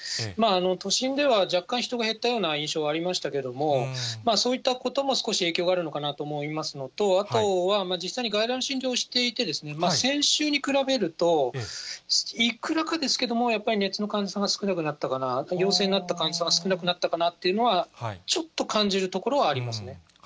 都心では若干人が減ったような印象がありましたけれども、そういったことも少し影響があるのかなと思いますのと、あとは実際に外来を診療していて、先週に比べると、いくらかですけども、やっぱり熱の患者さんが少なくなかったかな、陽性になった患者さんが少なくなったかなというのは、ちょっと感じるところはあります